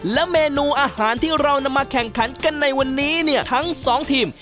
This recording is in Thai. และเมนูอาหารที่เรานำมาแข่งขันกันในวันนี้เนี่ยทั้งสองทีม